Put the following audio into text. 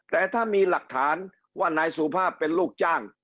แต่ถ้ามีหลักฐานว่านายสุภาพเป็นลูกจ้าง